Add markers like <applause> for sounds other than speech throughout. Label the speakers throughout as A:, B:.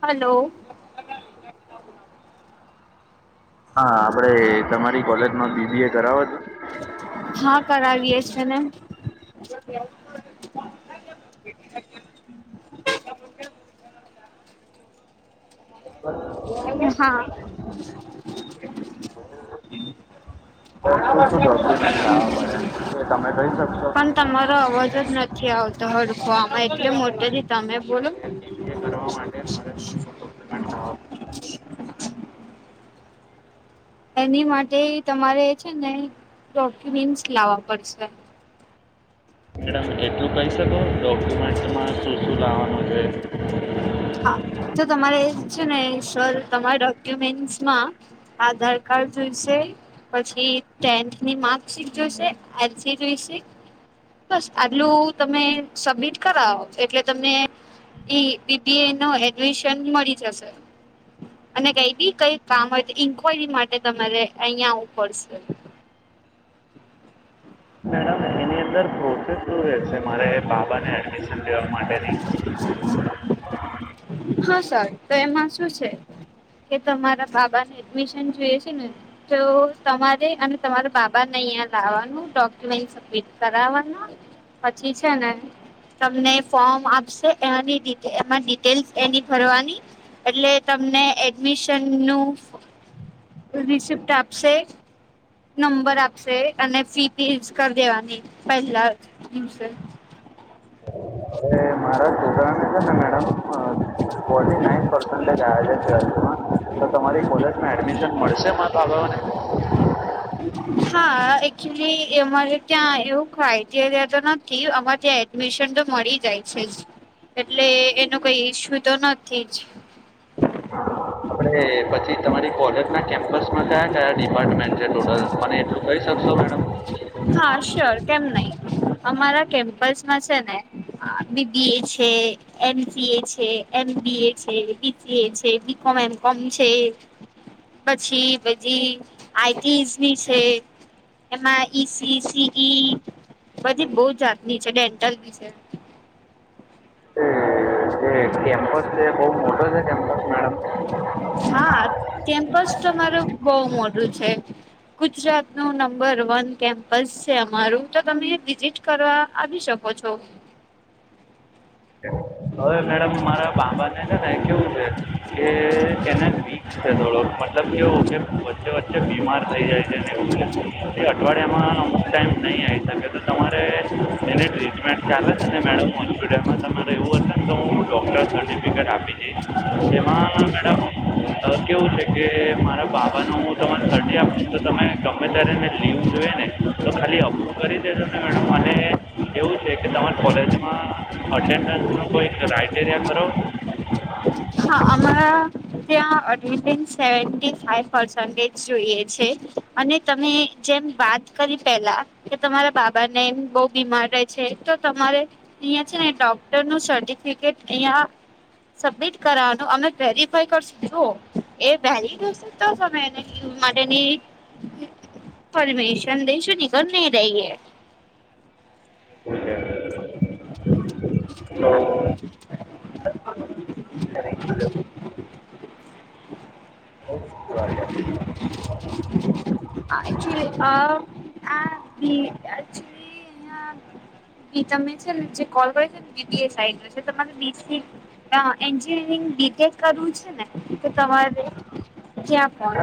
A: હાલો.
B: હા, આપડે તમારી કોલેજમાં બી બી એ કરાવો છો?
A: હા, કરાવીએ છેને.
B: <inaudible>
A: હા.
B: તો શું શું ડોક્યુમેન્ટ લાવવા પડે એ તમે કહી શકશો
A: પણ તમારો અવાજ જ નથ થી આવતો હડફું આમાં એટલે મોટોથી તમે બોલો.
B: બીબીએ કરવા માટે મારે શું શું ડોક્યુમેન્ટ લાવવા
A: એની માટે તમારે છે ને ડોક્યુમેન્ટસ લાવવા પડશે.
B: મેડમ એટલું કહી શકો ડોક્યુમેન્ટમાં શું શું લાવવાનું છે
A: હા તો તમારે છે ને શર તમારા ડોક્યુમેન્ટસ માં આધાર કાર્ડ જોઈશે. પછી ટેન્થની માર્કશીટ જોઈશે, એલ સી જોઈશે. બસ આટલું તમે સબમિટ કરાવો એટલે તમને ઈ બી બી એ નો એડમિશન મળી જશે. અને કઈ બી કઈ કામ હોય તો ઇન્ક્વાયરી માટે તમારે અહિયાં આવવું પડશે.
B: મેડમ એની અંદર પ્રોસેસ શ રહેશે મારે બાબાને એડમિશન લેવા માટેની.
A: હા સર તો એમાં શું છે? કે તમારા બાબા ને એડમિશન જોએ છે ને. તો તમારે અને તમારા બાબાને અહિયાં લાવવાનું ડોક્યુમેન્ટ સબ મીટ કરવાના પછી છે ને તમને ફોર્મ આપશે એની ડિટ એમાં ટેલ એની ફરવાની એટલે તમને એડમિશન નું રિસિપ્ટ આપશે. નંબર આપશે અને ફી પી કરી દેવાની પહેલા દિવસે.
B: હવે મારા છોકરાને છે ને મેડમ
A: <inaudible>
B: બેન આજે ટ્વેલથ માં? એડમિશન મળશે મારા બાબાઓને?
A: હા એકચુલી અમારે ત્યાં એવું હોય ક્રાઈટેરિયા તો નથી અમારે ત્યાં એડમિશન તો મળી જાય છે જ, એટલે એનું કઈ ઈસ્યુ તો નથી જ.
B: આપણે પછી તમારી કોલેજના કેમ્પસમાં કયા કયા ડિપાર્ટમેન્ટ છે ટોટલ મને એટલું કહી શકશો મેડમ?
A: હા શ્યોર કેમ નહી, અમારા કેમ્પસમાં છે ને અ બી ટી એ છે. એન સી એ છે એમ બી એ છે બિ સી એ છે બી કોમ એન્ડ કોમ છે. પછી બીજી આઈટીઝની છે એમાં ઈસી સી ઈ બધી બહુ જાતની છે ડેન્ટલ વિશે
B: હમ
A: <unintelligible> હા કેમ્પસ તમારું બહ મોટું છે ગુજરાત નું નંબર વન કેમ્પસ છે અમારું તો તમે વિઝિટ કરવા આવી શકો ઓછો હમ
B: બ કેવું છે. કે એને
A: હમ
B: બીક છે થોડોક મતલબ કેવું કે વચ્ચે વચ્ચે બીમાર થઈ જાય છે અઠવાડિયામાં અમુક ટાઈમ નહીં આવી શકે. તો તમારે એની ટ્રીટમેન્ટ ચાલે છે મેડમ હોસ્પિટલમાં તમારે એવું હશે ને તો હું ડૉક્ટર સર્ટિફિકેટ આપી દઈશ એમાં મેડમ અ, કેવું કે મારા બાબા ન હું તને સર્ટી આપું છું તો તમે ગમે ત્યારે લીવ જોઈએ ને તો ખાલી અપ્રુવ કરી દેજો ને મેડમ અને એવું છે કે તમાર કોલેજમાં અટેન્ડન્સ ન કોઈ ક્રાઈટેરિયા કરો?
A: હા અમારે ત્યાં એટેન્ડનટ સેવેન્ટી ફાંઇવ પર્સેન્ટ જોઈએ છે અને તમે જેમ વાત કરી પેલા કે તમારા બાબા ને એમ બહ બીમારે છે તો તમારે અહિયાં છે ને ડોક્ટર નું સર્ટિફિકેટ અહિયા સબમિટ કરવાનું અમે વેરીફાય કરશું જૉઑ એ વેલિડ હસે તો તમે એને લીવ માટેની <unintelligible>
B: ઓકે
A: હા
B: <unintelligible> <unintelligible>
A: <unintelligible> તમે છેને જે કોલ કર્યો છે <unintelligible> એન્જિનિયરિંગ બીટેક કરવું છે ને તો તમારે ક્યાં કોણ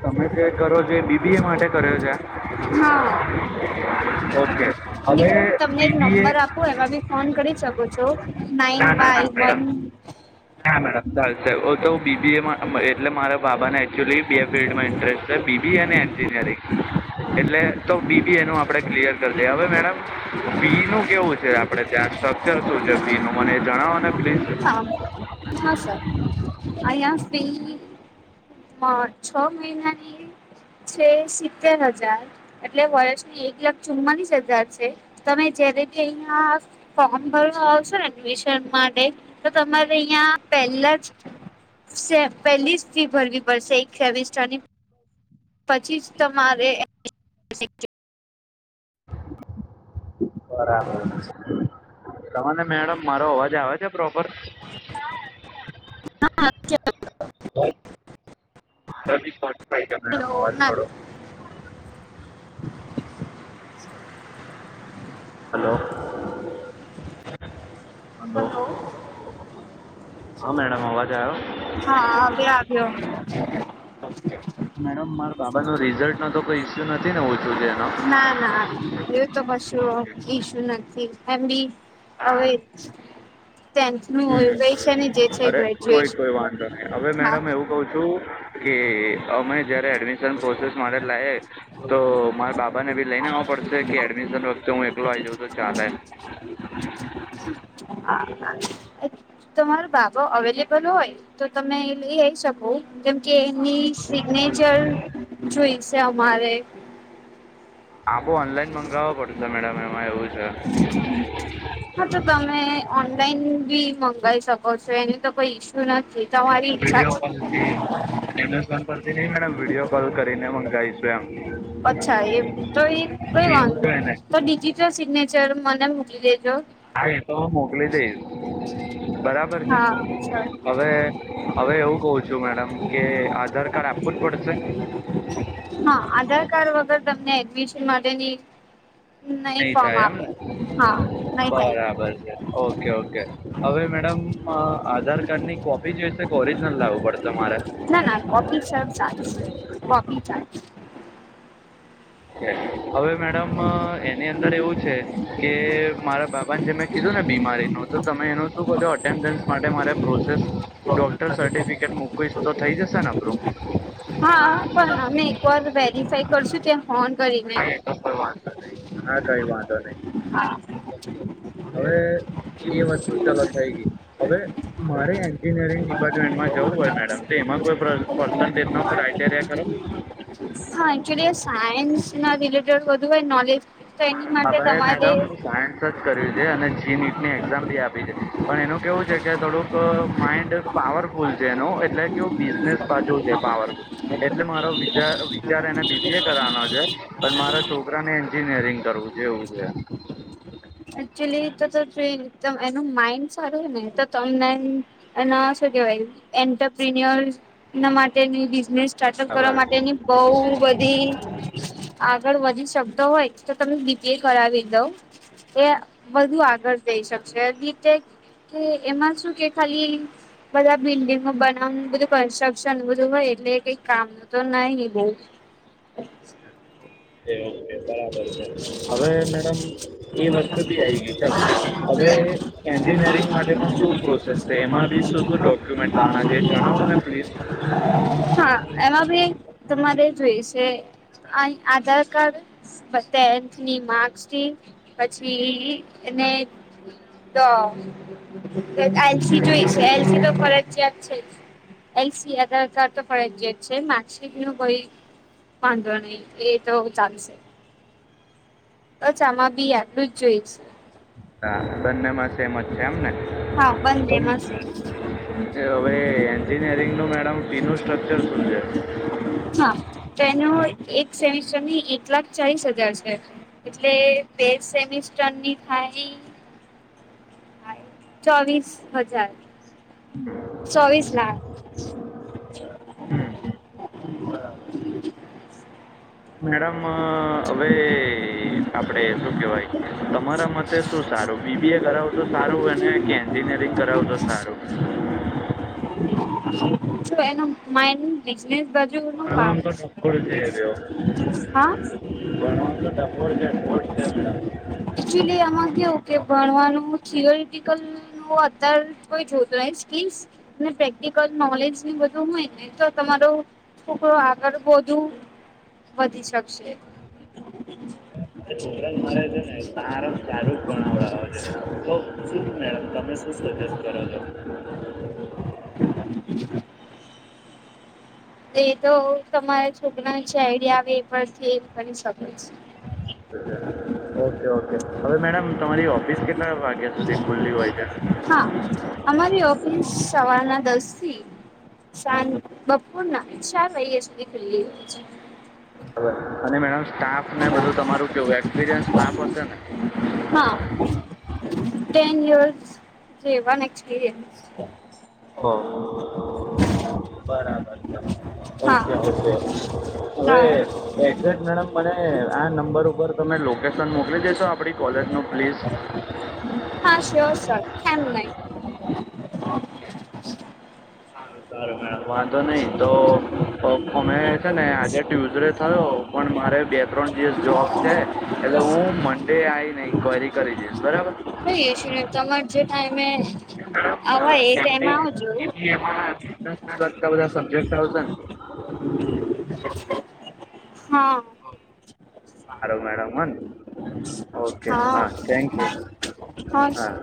B: તમે જે કરો છો એ બીબીએ માટે કર્યો છે
A: હા
B: ઓકે
A: હ
B: હવે
A: કું તમને એક
B: બીબીએ
A: નંબર આપ હું એવા બી ફોન કરી શકુ છું નાઈન વાઇ વન
B: હા મેડમ ચાલ સાહેબ તો બીબી એટલે મારા બાબાને એકચુલી બ ફિલ્ડમાં ઇન્ટરેસ્ટ છે બીબી અને એન્જિનિયરિંગ એટલે તો બીબી એ નું આપણે ક્લિયર કરી દઈએ હવે મેડમ ફી નું કેવું છે આપડે ત્યાં સ્ટ્રક્ચર શું છે ફી નું મને એ જણાવો ને પ્લીઝ
A: હા હા સર આ સ્પે છ મહિનાની છે સિત્તેર હજાર એટલે વર્ષની એક લાખ ચુમ્માલીસ હજાર છે તમે જયારે કે અહિયાં ફોર્મ ભરવા આવશે ને એડમિશન માટે તો તમારે અહિયાં પેલા જ પહેલી ફી ભરવી પડશે એક સેમિસ્ટર ની પછી જ તમારે
B: બરાબર તને મેડમ મારો અવાજ આવે છે પ્રોપર
A: હા ચાલ હલો ના
B: <unintelligible> હલો હદો
A: હલો
B: હા મેડમ અવાજ આવો
A: હા આવ્યો આવ્યો
B: મેડમ મારા બાબા નો રિઝલ્ટ નો તો કોઈ ઈસ્યુ નથી ને ઓછું છે એનો.
A: ના ના એ તો કશું
B: ઓકે
A: ઈશુ નથી એમ બી હવે જ ને જે
B: હમ
A: છે
B: અરે કોઈ
A: ગ્રેજ્યુએશન
B: કોઈ વાંધો નહી હવે
A: હા
B: મેડમ એવું કઉ છું, કે અમે જયારે એડમિશન પ્રોસેસ મારે લાયે તો મારે બાબા ને બી લઈને આવવા પડશે કે એડમિશન વખતે હું એકલો આવી જઉં તો ચાલે.
A: <inaudible> તમારો બાબો અવેલેબલ હોય તો તમે લઈ આઈ શકો જેમકે ની સિગ્નેચર જોઈશે અમારે
B: આ બો ઓનલાઈન મંગાવો પડશે મેડમ એમાં એવું છે.
A: હા તો તમે ઓનલાઈન બી મંગાવી શકો છો એનું તો કોઈ ઈશ્યુ નથી. તમારી ઈચ્છા
B: વિડીયો
A: છે.
B: કોલથી એમેઝોન પરથી નઈ મેડમ વિડીયો કોલ કરીને મંગાવીશું.
A: અચ્છા એ તો એ
B: ત
A: કઈ
B: એવું
A: વાંધો
B: કેયને
A: તો ડિજિટલ સિગ્નેચર મને મુકલી દેજો.
B: હા એ તો હું મોકલી દઈશ. બરાબર છે
A: હા
B: હવે હવે એવું કઉ છું મેડમ કે આધાર કાર્ડ આપ આપવુંજ પડશે ને.
A: હા આધાર કાર્ડ વગર તમને એડમિશન માટેની
B: નહી
A: ફોર્મ
B: થાય
A: આપે
B: એમને.
A: હા નહી થાય
B: બરાબર છે ઓકે ઓકે હવે મેડમ આધાર કાર્ડની કોપી બી જોઈશે કે ઓરિજનલ લાવવું પડે તમારે
A: ના ના <unintelligible>
B: હવે મેડમ એની અંદર એવું છે કે મારા બાબાને જે મે કીધું ને બીમારીનું તો તમે એનું શું કહોછો અટેન્ડન્સ માટે મારે પ્રોસેસ ડોક્ટર સર્ટિફિકેટ મૂકીવીશ તો થઇ જશે ને આપડું.
A: હા પણ અમે એકવાર વેરીફાઈ કરશું ત્યારે ફોન કરીને
B: હા એ તો કઈ વાંધો નહી, હા કઈ વાંધો નહી.
A: હા.
B: હવે એ વસ્તુ ચાલો થઈ ગઈ હવે મારે એ એન્જિનિયરિંગ ડિપાર્ટમેન્ટમાં જવું હોય મેડમ તો એમાં કોઈ પસ પર્સન્ટેજનો ક્રઇટેરિયા ખરો.
A: હા એક્ચુલી સાયન્સ ના રિલેટેડ બધું હોય નોલેજ તો એની માટે
B: હભડાયે એ
A: તમારે
B: મેડમ. સાયન્સ જ કર્યું છે અને જી નીટ ની એક્ઝામ બી આપી છે પણ એનું કેહેવું છે કે થોડુંક માઇન્ડ પાવરફુલ છે એનું એટલે કેવું બિઝનેસ બાજુ છે પાવર. એટલે મારો વિચાર વિચાર એને બી બી એ કરવાનો છે પણ મારા છોકરાને એન્જિનિયરિંગ દરરોજે ઉજે <unintelligible>
A: એકચુલી તો જો ચલ ટેન એનું માઇન્ડ સારું હોય ને તો તમને. અને શું કેવાય એન્ટરપ્રિનર ના માટેની બિઝનેસ સ્ટાર્ટઅપ કરવા
B: બરાબર
A: માટેની બઉ બધી. આગળ વધી શકતો હોય તો તમે બીજે કરાવી દઉ. એ વધુ આગળ જઈ શકશે નીતે કે એમાં શું કે ખાલી બધા બિલ્ડિંગો બનાવવાનું બધું કન્સ્ટ્રક્શન બધું હોય એટલે કઈ કામ તો નહી ની બોઉ.
B: એટલે. બરાબર છે, હવે મેડમ એ વસ્તુ બી આવી ગઈ ચાલો હવે. એન્જિનિયરિંગ માટેમાં શું પ્રોસેસ છે એમાં બી શું શું ડોક્યુમેન્ટ લાવાનાં છે એ જણાવો ને પ્લીઝ.
A: હા એમાં બી તમારે જોઈ સે અ આધાર કાર્ડ બ ટેન્થની માર્ક્સ સીટ પછી ને તો એલસી જોઈ છે એલસી તો ફરજિયાત છે. એલ સી આધાર કાર્ડ તો ફરજીયાત છે. માર્કશીટ નું કોઈ વાંધો નહી એ તો ચાલશે અચ્છામાં બી આટલું જ જોઈશ
B: હા બંને માં સેમ જ છે. એમને
A: હા બંને મા સેમ છે
B: હવે એન્જિનિયરિંગ નું મેડમ ફી નું સ્ટ્રક્ચર સુું છે.
A: હા તો એનો એક સેમિસ્ટર ની એક લાખ ચાલીસ હજાર છે. એટલે બે સેમિસ્ટરની થાય ચોવીસ હજાર ચોવીસ લાખ અચછા બરાબર
B: મેડમ હવે આપડે શું કેવાય તમારા મતે શું સારું બીબી એ કરાવું તો સારુંને કે એન્જિનિયરિંગ કરાવું તો સારું
A: એનો માઇન બિઝનેસ બાજુ પા
B: ઉલજે રહ્યો
A: હા
B: ભણવા તો ટકોર છે ઠોઠ
A: એકચુલી આમાં કેવું કે ભણવાનું થિયોરટિકલ હું અત્યારે કોઈ જોતો નહી સ્કીલ્સ ને પ્રેક્ટિકલ નોલેજ ની બધું હોય ને તો તમારું છોકરો આગળ વધુ વધી શકશે
B: સારું સારું જ ભણાવડાવ છે. તો શું મેડમ તમે શું સજેસ્ટ કરો છો હમ.
A: એ તો તમારા છોકરા ને જે આઈડિયા આવે એ પરથી કરી શકે છે
B: ઓકે ઓકે હવે મેડમ તમારી ઓફિસ કેટલા વાગ્યા સુધી ખુલ્લી હોય છે
A: હા અમારી ઓફિસ સવારના દસ થી સાંજ બ બપોર ના ચાર વાગે સુધી ખુલ્લી હોય છે
B: સ્ટાફને બધું તમારું કેવું એક્સપિરિયન્સ સ્ટાફ હશે ને
A: હા ટેન યર્સ જેવા એક્સપીરિયન્સ
B: હા. છે
A: <unintelligible>
B: ઓકે ઓકે હવે
A: હા
B: એડરસ મેડમ મને આ નંબર ઉપર તમે લોકેશન મોકલી દેશો આપણી કોલેજનો પ્લીઝ
A: હા શ સર ખં નહી
B: સારું સારું વાંધો નઈ તો અમે છે ને આજે ટ્યુઝડે થયો પણ મારે બે ત્રણ દિવસ જોબ છે એટલે હું મંડે આવીને ન્ક્વાયરી કરી જઈશ બરાબર
A: થઈ હ છે. ને તમારે જે ટાઈમે આવ એ ટાઈમે આવજ
B: બધા સબ્જેક્ટ આવશે ને
A: હા
B: સારું ઓકે હા થન્ક યુ હા